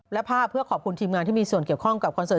และภาพเพื่อขอบคุณทีมงานที่มีส่วนเกี่ยวข้องกับคอนเสิร์